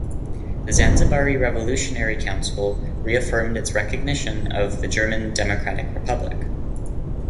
The Zanzibari Revolutionary Council reaffirmed its recognition of the German Democratic Republic.